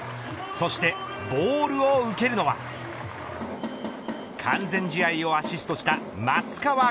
そしてボールを受けるのは完全試合をアシストした松川虎生。